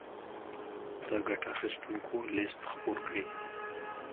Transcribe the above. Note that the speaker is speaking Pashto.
د ګټه اخيستونکو ليست خپور کړي.